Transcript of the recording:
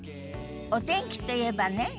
お天気といえばね